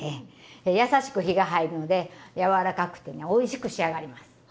優しく火が入るので柔らかくてねおいしく仕上がります。